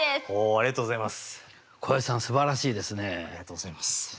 ありがとうございます。